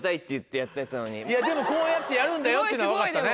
でもこうやってやるんだよっていうのは分かったね。